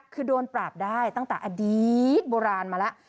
คือโดนปราบได้ตั้งแต่อดีตโบราณมาแล้ว